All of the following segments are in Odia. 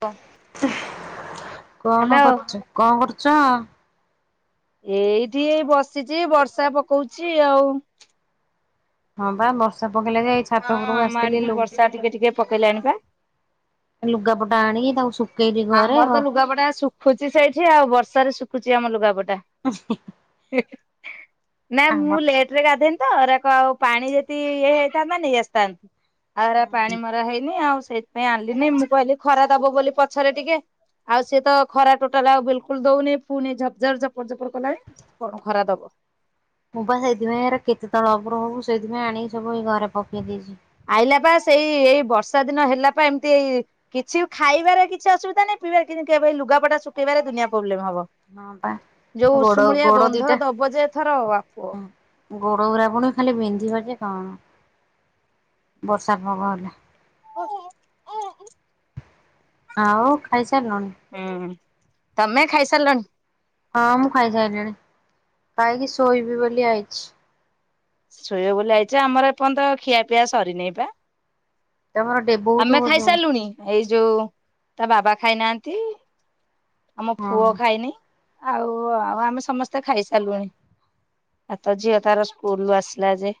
ବ କଣ କରୁଛ କଁ କରୁଛ? ଏଇଠି ଏଇ ବସିଛି ବର୍ଷା ପକଉଛି ଆଉ, ହଁ ବା ବର୍ଷା ପକେଇଲାଣି ଯାଇଛି, ହଁ ଆମ ଆଡ଼େ ବି ବର୍ଷା ଟିକେ-ଟିକେ ପକେଇଲାଣି ପା, ଲୁଗପଟା ଆଣି ତାକୁ ସୁକ୍ ଆମର ତ ଲୁଗାପଟା ଶୁଖୁଛି ସେଇଠି ଆଉ ବର୍ଷାରେ ଶୁଖୁଛି ଆମ ଲୁଗାପଟା, [unintelligible] ଏଠି ନା ଆମର ମୁଁ ଲେଟ୍ ରେ ଗାଧେଇନି ତ ରାକ ଆଉ ପାଣି ଯଦି ଇଏ ହେଇଥାନ୍ତା ନେଇ ଆସିଥାନ୍ତି, ଆଉ ଏରା ପାଣି ମରା ହେଇନି, ଆଉ ସେଇଥିପାଇଁ ଆଣିଲିନି। ମୁଁ କହିଲି ଖରା ଦବ ବୋଲି ପଛରେ ଟିକେ ଆଉ ସିଏ ତ ଖରା ଟୋଟାଲା ଆଉ ବିଲକୁଲ ଦଉନି, ପୁଣିି ଝପଝପ ଝପଡ ଝପଡ କଲାଇ କଣ ଖରା ଦବ। ମୁଁ ବା ସେଇଥିପାଇଁ କେତେ ତଳ ଉପର ହବୁ, ସେଇଥିପାଇଁ ଆଣିକି ସବୁ ଏ ଘରେ ପକେଇ ଦେଇଛି। ଆଇଲା ବା ସେଇ ଏଇ ବର୍ଷା ଦିନ ହେଲା ପା ଏମିତି ଏଇ କିଛି ଖାଇବାରେ କିଛି ଅସୁବିଧା ନାହିଁ, ପିଇବାରେ କିଛି କେବଳ ଲୁଗାପଟା ଶୁଖେଇବାରେ ଦୁନିଆ ପ୍ରୋବ୍ଲେମ ହବ। ହଁ ପା ଯୋଉ ଗୋଡ ଉଷୁମୂଳିଆ ଗୋଡ ଗନ୍ଧ ଦିଟା ଦବ ଯେ ଏଥର ବାପ। ଗୋଡ ଗୁୁରା ପୁଣି ଖାଲି ବିନ୍ଧିବ ଯେ କଣ, ବର୍ଷା ପାଗ ହେଲେ। [unintelligible] ଆଉ ଖାଇସାରୁଲୁଣି? ହୁଁ ତମେ ଖାଇ ସାରିଲଣି? ହଁ ମୁଁ ଖାଇସାରିଲିଣି, ଖାଇକି ଶୋଇବି ବୋଲି ଆଇଚି। ଶୋଇବ ବୋଲି ଆଇଚ, ଆମର ଏପର୍ଯ୍ୟନ୍ତ ଖିଆ ପିଆ ସରିନେଇ ବା। ତମର ଡେବୁ ଆମେ ଖାଇସାରିଲୁଣି, ଏଇ ଯୋଉ ତା ବାବା ଖାଇନାହାନ୍ତି। ଆମ ପୁଅ ଖାଇନି ଆଉ, ଆଉ ଆମେ ସମସ୍ତେ ଖାଇସାରିଲୁଣି। ଆତ ଝିଅ ତାର ସ୍କୁଲୁରୁ ଆସିଲା ଯେ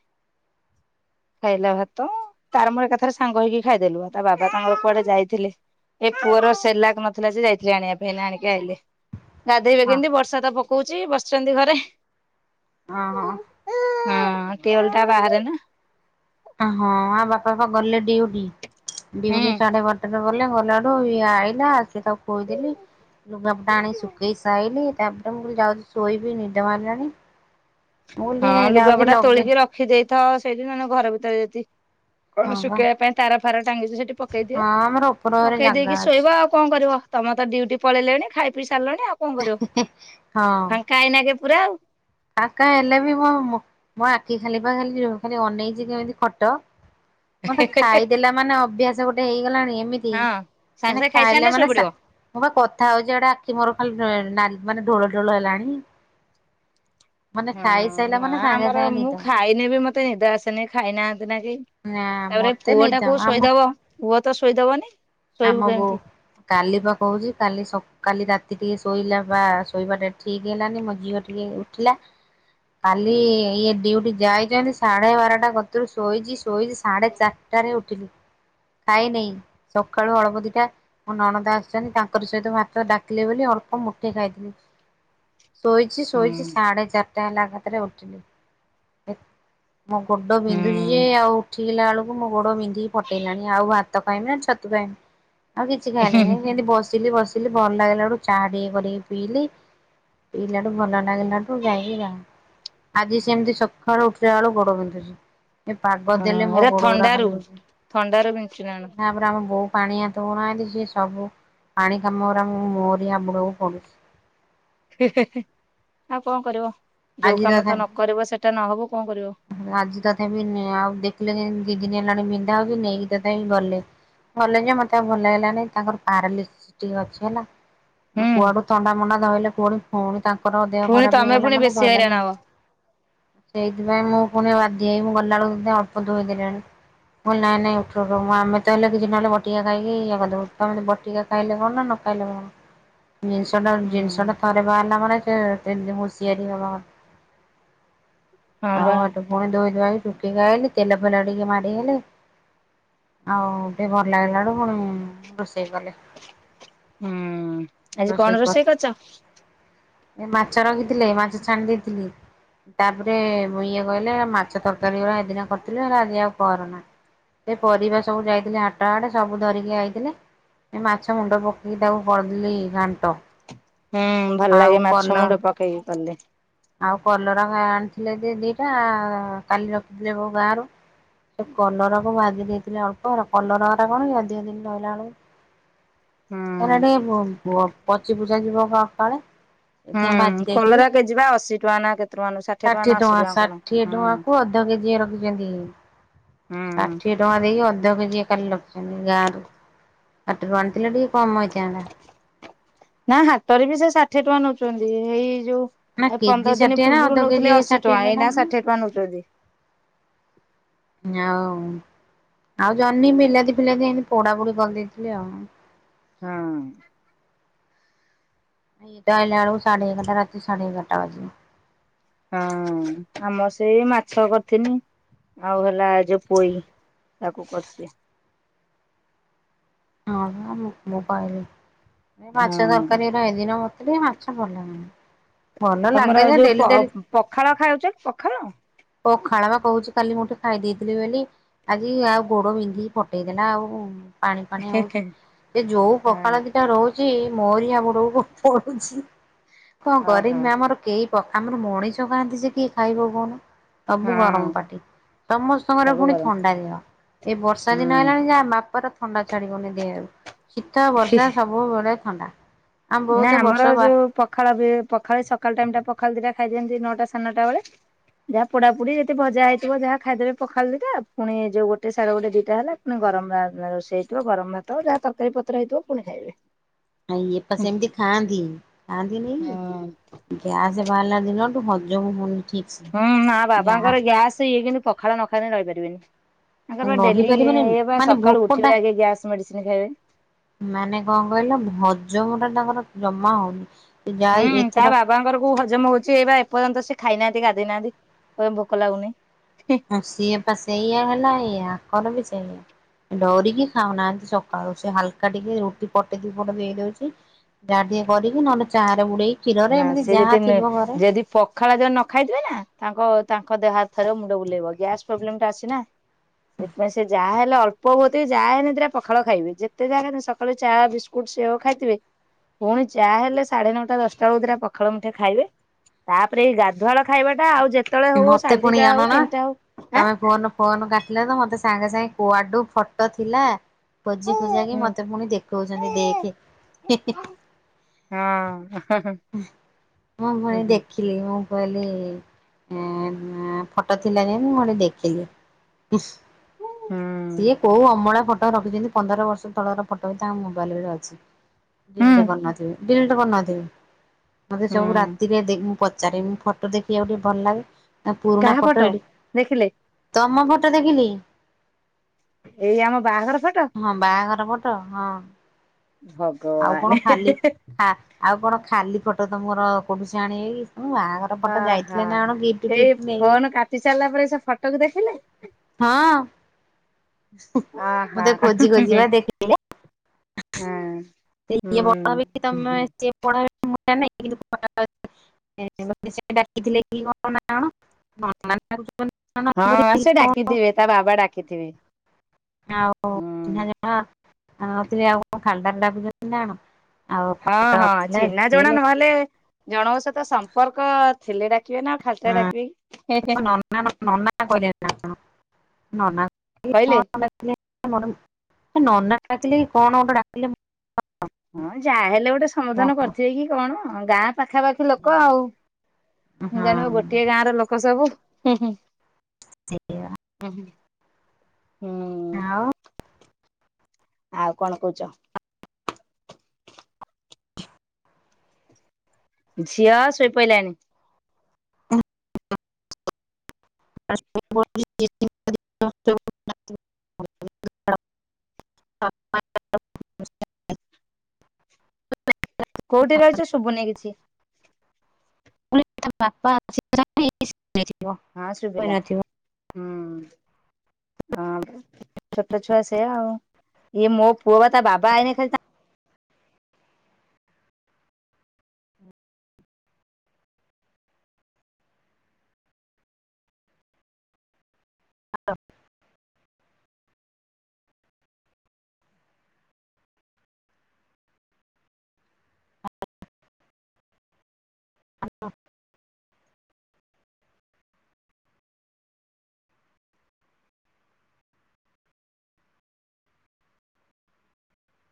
ଖାଇଲା ଭାତ, ତାର ମୋର ଏକାଥରେ ସାଙ୍ଗ ହେଇକି ଖାଇଦେଲୁ, ତା ବାବା ତାଙ୍କର କୁଆଡେ ଯାଇଥିଲେ? ଏ ପୁଅର ସେର୍ଲାକ ନଥିଲା ଯେ, ଯାଇଥିଲେ ଆଣିବା ପାଇଁ ଏଇନା ଆଣିକି ଆଇଲେ। ଗାଧୋଇବେ ହଁ କେମିତି, ବର୍ଷା ତ ପକଉଛି ବସିଛନ୍ତି ଘରେ। ଅଁ- ହଁ। ହଁ ଟ୍ଯୁବଲ ଟା ବାହାରେ ନା। ହଁ ଆ ବାପା ବା ଗଲେ ଡିଉଟି। ହୁଁ ଡିଉଟି ସାଢେ ବାର [unintelligible] ରେ ଗଲେ ଗଲାଡୁ ଇଏ ଆଇଲା, ସେ ତାକୁ ଖୋଇଦେଲି ଲୁଗାପଟା ଆଣି ସୁକେଇ ସାଇଲି, ତାପରେ ମୁଁ କହିଲି ଯାଉଛି ଶୋଇବି ନିଦ ମାରିଲାଣି। ହଁ ଲୁଗାପଟା ଲଗେ ତୋଳିକି ରଖିଦେଇଥାଅ, ସେଇଠି ନହେଲେ ଘର ଭିତରେ ଯଦି ହଁ କଣ ବା ଶୁଖେଇବା ପାଇଁ ତାରା ଫାର ଟାଙ୍ଗିଛ ସେଠି ପକେଇ ଦିଅ, ହଁ ଆମର ଉପର ଘରେ ପକେଇ ଜାଗା ଦେଇେକି ଅଛି। ଶୋଇବ ଆଉ। କଣ କରିବ ତମର ତ ଡ୍ୟୁଟି ପଳେଇଲେଣି, ଖାଇ ପିଇ ସାରିଲଣି ଆଉ କଣ କରିବ? ହଁ ଖା ଖାଇନେ ଏକେ ପୁରା ଆଉ। ଫାଙ୍କା ହେଲେ ବି ମୁଁ ମୋ ଆଖି ଖାଲି ପା ଖାଲି ଖାଲି ଅନେଇଛି, କେମିତି ଖଟ ଗଣ୍ଡେ ଖାଇଦେଲା ମାନେ ଅଭ୍ୟାସ ଗୋଟେ ହେଇଗଲାଣି ଏମିତି, ହଁ ସାଙ୍ଗେ ମାନେ ସାଙ୍ଗେ ଖାଇସାରିଲେ ଖାଇଲେ ଶୋଇ ମାନେ ପଡିବ। ମୁଁ ବା କଥା ହଉଛି ଆଡେ ଆଖି ମୋର ନାଲି ଢୋଳ ଢୋଳ ହେଲାଣି। ମାନେ ହୁଁ ଖାଇସାଇଲା ନା ମାନେ ସାଙ୍ଗେ ଆମର ସାଙ୍ଗେ ମୁଁ ନିଦ। ଖାଇଲେ ବି ମତେ ନିଦ ଆସେନି, ଖାଇନାହାନ୍ତି ନା କେହି। ନା ତାପରେ ମତେ ପୁଅଟା ନିଦ କୋଉ ଆମ ଶୋଇଦବ, ପୁଅ ତ ଶୋଇଦବନି। ଶୋଇବୁ ଆମ ବୋଉ। କେମିତି। କାଲି ପା କହୁଛି, କାଲି ସ କାଲି ରାତି ଟିକେ ଶୋଇଲା ବା ଶୋଇବା ଠିକ୍ ହେଲାନି। ମୋ ଝିଅ ଟିକେ ଉ ଉଠିଲା। କାଲି ଇଏ ଡିଉଟି ଯାଇଛନ୍ତି, ସାଢେ ବାରଟା କତିରୁ ଶୋଇଛି ଶୋଇଛି ସାଢେ ଚାରି ଚାରିଟାରେ ଉଠିଲି, ଖାଇନେଇ। ସକାଳୁ ଅଳପ ଦିଟା ମୋ ନଣଦ ଆସିଛନ୍ତି, ତାଙ୍କର ସହିତ ଭାତ ଡାକିଲେ ବୋଲି ଅଳ୍ପ ମୁଠେ ଖାଇଥିଲି। ଶୋଇଛି ହୁଁ ଶୋଇଛି ସାଢ଼େ ଚାରିଟା ହେଲା ଏକାଥରେ ଉଠିଲି। ମୋ ଗୋଡ ବିନ୍ଧୁଛି ଯେ ହୁଁ ଆଉ ଉଠିଲା ବେଳକୁ ମୋ ଗୋଡ ବିନ୍ଧିକି ଫଟେଇଲାଣି, ଆଉ ଭାତ ଖାଇବିନା ନା ଛ ସେଥିପାଇଁ ଆଉ କିଛି ହଁ ଖାଇଲିନି ସିଁତି ବସିଲି ବସି ଥିଲି ଭଲ ଲାଗିଲା ଠୁ, ଚାହା ଟିକେ କରିକି ପିଇଲି। ପିଇଲାଠୁ ଭଲ ଲାଗିଲାଠୁ ଯାଇକି ଯାହା। ଆଜି ସେମିତି ସକାଳୁ ଉଠିଲା ବେଳୁ ଗୋଡ ବିନ୍ଧୁଛି। ଏ ପାଗ ଦେଲେ ମୋ ଏରା ଗୋଡ ଗୁରା ଥଣ୍ଡାରୁ ଖାଲି ବି ଥଣ୍ଡାରୁ ବିଞ୍ଚୁନାଣ [inaudible] ନା ପା। ଆମ ବୋଉ ପାଣି ହାତ ହଉନାହାଁନ୍ତି। ସିଏ ସବୁ ପାଣି କାମରା ମୋରି ହାବୁଡ଼କୁ ପଡୁଛି। [unintelligible] ଆଉ କଣ କରିବ? ଯୋଉ ଆଜି କାମ ତଥା ତ ନ କରିବ ସେଇଟା ନହବ, କଣ କରିବ? ଆଜି ତଥାପି ନେ ଆଉ ଦେଖିଲେ ଯେ ଦି ଦିନ ହେଲାଣି ବିନ୍ଧା ହଉଛି, ନେଇକି ତଥାପି ଗଲେ। ଗଲେ ଯେ, ମତେ ଆଉ ଭଲ ଲାଗିଲାନି। ତାଙ୍କର ପାରାଲିସିସି ଟିକେ ଅଛି ହେଲା। ଆଉ ହୁଁ କୁଆଡୁ ଥଣ୍ଡା ମଣ୍ଡା ଧଇଲେ ପୁଣି, ଫୁଣି ତାଙ୍କର ଦେହ ପୁଣି ଖରାପ ତମେ ହେଇଗଲା ପୁଣି ମାନେ ବେଶୀ ସଇଲା ହଇରାଣ ଲୋ ମା! ହବ। ଥିପାଇଁ ମୁଁ ଫୁଣି ବାଧ୍ୟ ହେଇ ମୁଁ ଗଲା ଅଳକୁ ସେ ଅଳ୍ପ ଧୋଇଦେଲେଣି। ମୁଁ ଅଇଲି ନାଇଁ, ନାଇଁ, ଉଠ ଉଠ। ମୁଁ ଆମେ ତହେଲେ କିଛି ନହେଲେ ବଟିକା ଖାଇକି ଇଏ କରିଦବୁ। ତମେ ତ ବଟିକା ଖାଇଲେ କଣ ନା, ନଖାଇଲେ କଣ? ଜିନିଷ ଟା ହୁଁ ଜିନିଷ ଟା ଥରେ ବାହାରିଲା ମାନେ ସେ ସେମିତି ହୁସିିଆରି ହେବା କଥ୍ ହଁ ବା ଆଉ ହେଠୁ ପୁଣି ଧୋଇ ଧୁଆକି ଚୁକିକି ଆଇଲି। ତେଲ ଫେଲ ଟିକେ ମାରି ହେଲି। ଆଉ ଟିକେ ଭଲ ଲାଗିଲା ଠୁ, ପୁଣି ରୋଷେଇ କଲି। ହୁଁ, ଆଜି କଣ ରୋଷେଇ କରିଚ? ଏ ମାଛ ରଖିଥିଲେ, ମାଛ ଛାଣି ଦେଇଥିଲି। ତା'ପରେ ମୁଁ ଇଏ କହିଲେ ମାଛ ତରକାରୀ ଗୁରା ହେଦିନ କରିଥିଲି, ହେରା ଆଜି ଆଉ କରନା। ସେ ପରିବା ସବୁ ଯାଇଥିଲେ ହାଟ ଆଡେ, ସବୁ ଧରିକି ଆ ଇଥିଲେ। ଏ ମାଛ ମୁଣ୍ଡ ପକେଇକି ତାକୁ କରିଦେଲି ଘାଣ୍ଟ। ହୁଁ, ଭଲ ଆଉ ଲାଗେ କଲ ମାଛ ମୁଣ୍ଡ ପକେଇକି କଲେ। ଆଉ କଲରା କାଇଁ ଆଣିଥିଲେ ଯେ ଦିଟା-ଆ, କାଲି ରଖିଥିଲେ କଉ ଗାଁରୁ? ସେ କଲରା କୁ ଭାଜି ଦେଇଥିଲେ ଅଳ୍ପ, କଲରା ଗରା କଣ କି, ଅଧିକ ଦିନ ରହିଲା ବେଳକୁ ହୁଁ। ଏନା ଟିକେ ପ-ପଚିପୁଚା ଯିବ କାଳେ! ସେଥିପାଇଁ ଭାଜି ହୁଁ, ଦେଇଥିଲି କଲରା କେଜି ବା ଅଶୀ ଟଙ୍କା ନା କେତେ ଟଙ୍କା ନା ଷାଠ୍ ଷାଠିଏ ଟଆଁ ଷାଠିଏ ଟଆଁ କୁ ଅଧ କେଜିଏ ରଖିଛନ୍ତି। ହୁଁ ଷାଠିଏ ଟଆଁ ଦେଇକି ଅଧ କେଜିଏ ଖାଲି ରଖିଛନ୍ତି ଗାଁରୁ। ହାଟରୁ ଆଣିଥିଲେ ଟିକେ କମ୍ ହେଇଥାନ୍ତା। ନାଁ, ହାଟରେ ବି ସେ ଷାଠିଏ ଟଙ୍କା ନଉଛନ୍ତି। ହେଇ ଯୋଉ ନା ଏ କେଜି ପନ୍ଦର ଦିନ ଷାଠିଏ ନା ପୂର୍ବରୁ ଅଧ କେଜି ନଉଥିଲେ ଅଶୀ ଷାଠିଏ ଟଆଁ, ନେଲା ଏଇନା ଷାଠିଏ ଟଆଁ ନଉଛନ୍ତି। ଆଉଁ, ଆଉ ଜହ୍ନି, ବିଲାତି, ଫିଲାତି ଏମିତି ପୋଡା ପୁଡ଼ି କରିଦେଇଥିଲି ଆଉ। ହଁ। ଇଏତ ଆଇଲା ବେଳକୁ ସାଢେ ଏଗାରଟା, ରାତି ସାଢ଼େ ଏଗାରଟା ବାଜିବ। ହଁ, ଆମର ସେଇ ମାଛ କରିିଥିନି। ଆଉ ହେଲା ଏ ଯୋଉ ପୋଇ, ତାକୁ କରିଥିଲି। ହଁ, ପା ମୁଁ -ମୁଁ ପାଇଲି। ମୁଁ ମାଛ ହଁ। ତରକାରୀ ଏଇ ଦିନ ମତେ ଟିକେ ମାଛ ଭଲ [unintelligible] ଭଲ ତମର ଲାଗେ ଯେ ଯୋଉ ପ ଡେଲି ଡେଲି ପଖାଳ ଖାଉଛେ, ପଖାଳ! ପଖାଳ ବା କହୁଛି କାଲି ମୁଠେ, ଖାଇଦେଇଥିଲି ବେଲି ଆଜି ଆଉ ଗୋଡ ବିନ୍ଧିକି ଫଟେଇ ଦେଲା। ଆଉ ପାଣି ପାଣି ହଉଛି। ହଁ ଯେ ଯୋଉ ପଖାଳ ଦି ଟା ରହୁଛି ମୋରି ହାବୁଡ଼କୁ ପଡୁଛି। କଣ ଓହୋ କରିମି ଆମର କେଇ ପଖା, ଆମର ମଣିଷ ଖାଆନ୍ତି ଯେ କିଏ ଖାଇବ କହୁନ? ସବୁ ହଁ ଗରମ ପାର୍ଟି। ସମସ୍ତଙ୍କର ସବୁ ଫୁଣି କର ଥଣ୍ଡା ଦେହ। ଏ ବର୍ଷା ଦିନ ହୁଁ। ହେଲାଣି ଯାହା ବାପାର ଥଣ୍ଡା ଛାଡ଼ି ବନି ଦେହରୁ। ଶୀତ, ବର୍ଷା ସବୁ ସବୁ ବେଳେ ଥଣ୍ଡା। ଆମ ବୋଉ ନା ତ ବର୍ଷ ଆମର ବା ଯୋଉ ପଖାଳ ବି ପଖାଳ ସକାଳ ଟାଇମ ଟା ପଖାଳ ଦିଇଟା ଖାଇ ଦିଅନ୍ତି ନଅଟା ସାଢ଼େ ନଅ ଟା ବେଳେ। ଯାହା ପୋଡ଼ା ପୋଡି ଯଦି ଭଜା ହୋଇଥିବ ଯାହା ଖାଇଦେବେ ପଖାଳ ଦିଟା ପୁଣି ଯୋ ଗୋଟେ ସାଢେ ଗୋଟେ ଦିଟା ହେଲା ଣି ଗରମ ଭା ନା ରୋଷେଇ ହେଇଥିବ ଗରମ ଭାତ ଯାହା ତରକାରୀ ପତ୍ର ହେଇଥିବ ପୁଣି ଖାଇବେ। ଆ ୟେ ପା ହୁଁ ସେମିତି ଖାଆନ୍ତି ଖାଆନ୍ତିନି। ଗ୍ୟାସ ବାହାଲା ଦିନଠୁ ହଜମ ହେଉନି ଠିକ୍ ହୁଁ ମା ବାବାଙ୍କର ଗ୍ୟାସ ହେଇଯାଇଛି କିନ୍ତୁ ପଖାଳ ନ ଖାଇଲେ ରହି ପାରିବେନି। ଆଙ୍କର ଡେଲି ରହିପାରିବେନି ୟେ ବା ମାନେ ସକାଳୁ ଭୋକଟା ଉଟିବେ ଆଗେ ଗ୍ୟାସ ମେଡ଼ିସିନ୍ ଖାଇବେ। ମାନେ କଣ କହିଲ ହଜମ ଟା ତାଙ୍କର ଜମା ହେଉନି। ହୁଁ ତା ବା ବାବାଙ୍କର କୋଉ ହଜମ ହେଉଛି ଏଇ ବା ଏପର୍ଯ୍ୟନ୍ତ ଖାଇନାହାନ୍ତି ଗାଧେଇନାହାନ୍ତି କହୁଛନ୍ତି ଭୋକ ଲାଗୁନି। ଆଉ ସିଏ ପା ସେୟା ହେଲା ଏୟାଙ୍କର ବି ସେୟା। ଡରିକି ଖାଉ ନାହାନ୍ତି ସଖାଳୁ ସେ ହାଲକା ଟିକେ ରୁଟି ପଟେ ଦି ପଟ ଦେଇଦେଉଛି। ଯାହା ଟିକେ କରିକି ନ ହେଲେ ଚା ରେ ବୁଡେଇ କି। ନା ସେ ଯଦି ଯଦି ପ ପଖାଳ ଯଦି ନ ଖାଇଥିବେ ନା ତାଙ୍କ ତାଙ୍କ ଦେହ ହାତ ଥରିବ ମୁଣ୍ଡ ବୁଲେଇବ ଗ୍ୟାସ ପ୍ରବ୍ଲେମ୍ ଟା ଅଛି ନା। ସେଥିପାଇଁ ସେ ଯାହା ହେଲେ ଅଳ୍ପ [unintelligible] ଯାହା ହେଲେ ଦିଟା ପଖାଳ ଖାଇବେ ଯେତେ ଯାହା ଖାଇଥାନ୍ତୁ ସଖାଳୁ ଚା, ବିସ୍କୁଟ, ସେଓ ଖଇଥିବେ ପୁଣି ଚା ହେଲେ ସାଢେ ନଅ ଟା ଦଶଟା ଚଉଦ୍ରା ପଖାଳ ମୁଠେ ଖାଇବେ ତା ପରେ ଗାଧୁଆଳ ଖାଇବାଟା ଆଉ ଯେତେ ଯେତେବେଳେ ହେଉ ମତେ ସାଢେ ଦିଇ ପୁଣି ଟା ଆଣ ହେଉ ନା ତିନି ଟା ହେଉ। ତମେ ଫୋନ ଫୋନ କାଟିଲ ତ ମତେ କୁଆଡୁ ଫୋଟ ଥିଲା। ଖୋଜି ଖୋଜା କି ହୁଁ ମତେ ପୁଣି ଦେଖଉଛନ୍ତି ଦେଖେ ହେଁ। ହାଁ। ମୁଁ ପୁଣି ଦେଖିଲି ମୁଁ କହିଲି ହୁଁ ହୁଁ ଫୋଟ ଥିଲା ଯେମିତି ମୁଁ ଣି ଦେଖିଲି। ଉଁସ୍ ସିଏ କୋଉ ଅମଳା ଫ ଫଟୋ ରଖିଛନ୍ତି ପନ୍ଦର ବର୍ଷ ତଳର ଫୋଟ ତାଙ୍କ ମୋବାଇଲ ରେ ଅଛି। [unintelligible] ଡେଟ ହୁଁ କରି ନଥିବେ। ମତେ ଯୋଉ ହୁଁ ରାତିରେ ମୁଁ ପଚାରିମ ଫଟୋ ଦେଖି ଆଉ ଟିକେ ଭଲ ଲାଗେ। ଆ ପୁରୁଣା କାହା ଫୋଟ ଫଟୋ ଏଡ଼ ଦେଖିଲେ ତମ ଫୋଟ ଦେଖିଲି। ଏଇ ଆମ ବାହାଘର ଫୋଟ। ହଁ ବାହାଘର ଫୋଟ ହଁ ଆଉ ଭଗବାନ କଣ ଖାଲି ହାଁ ଆଉ କଣ ଖାଲି ଫୋଟ ତମର କୋଉଠୁ ସେ ଆଣିବେ କି ହୁଁ ବାହାଘର ଫୋଟ ଯାଇଥିଲେ ନା କଣ ଗିଫ୍ଟ ଫିଫ୍ଟ ହେଇ ନେଇକି ଫୋନ କାଟି ସରିଲା ପରେ ସେ ଫୋଟୋ କୁ ଦେଖିଲେ? ହଁ ଆହା ମତେ ହଁ ଖୋଜି ଖୋଜି ବା ଦେଖେଇଲେ। ହୁଁ [unintelligible] [unintelligible] [unintelligible] ହଁ ସେ ଡାକିଥିବେ ତା ବାବା ଡାକିଥିବେ ଆଉ ଚିହ୍ନା ହୁଁ ଜଣା ନ ଥିଲେ ଆଉ କଣ ଖାଲି ଠାରେ ଡାକୁଛନ୍ତି ନା କଣ। ଆଉ ହଁ ଫଟୋ ହଁ ଥିଲା ଚିହ୍ନା ଜଣା ଦେଖେଇଲେ ନ ହେଲେ ଜଣଙ୍କ ସହିତ ସମ୍ପର୍କ ଥିଲେ ଡାକିବେ ନା ଖାଲିଟାରେ ଡାକିବେ କି ହେଁ ହେଁ। [unintelligible] [unintelligible] କହିଲେ ନନା ନଥିଲେ କଣ ଗୋଟେ ଡାକିଲେ ହଁ ଯାହା ହେଲେ ଗୋଟେ ସମାଧାନ କରିଥିବେ କି କଣ ଗାଁ ପାଖାପାଖି ଲୋକ ଆଉ ହଁ ଜାଣିବ ଗୋଟିଏ ଗାଁ ର ଲୋକ ସବୁ [inaudible] ହୁଁ ଆଉ ଆଉ କଣ କହୁଛ ଝିଅ ଶୋଇପଡ଼ିଲାଣି [inaudible] [inaudible] [inaudible] କୋଉଠି ରହିଛ ଶୁଭୁନି କିଛି ବାପା ଅଛି ହଁ ଶୁଭିଲା କହିନଥିବ। ହୁଁ ହଁ ଛୋଟ ଛୁଆ ସେଆ ଆଉ ଇଏ ମୋ ପୁଅ ବା ତା ବାବା ଆଇନି ଖାଲି [inaudible] [inaudible]